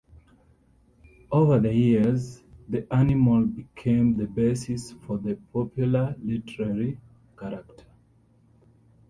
Over the years, the animal became the basis for the popular literary character.